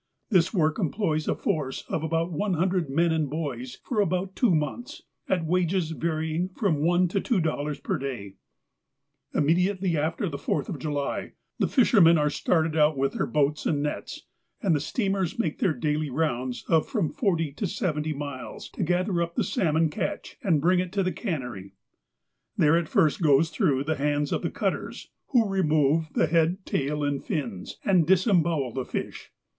This work employs a force of abont one hundred men and boys for about two months, at wages varying fronr one to two dollars per day. " i wu Immediately after the Fourth of July, the fishermen are « out with their boats and nets, and the steamers make their daily rounds of from forty to seventy miles, o gather up the salmon catch, and bring it to the can^ nery. There it first goes through the hands of the cutters, who remove the head, tail, and fins, and dis embowel the fish.